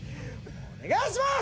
お願いします！